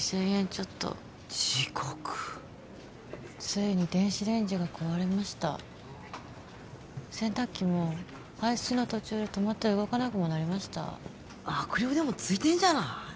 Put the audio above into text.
ちょっと地獄ついに電子レンジが壊れました洗濯機も排水の途中で止まって動かなくもなりました悪霊でもついてんじゃない？